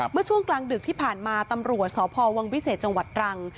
เมื่อช่วงกลางดึกที่ผ่านมาตำรวจสพวังวิเศษจังหวัดตรัง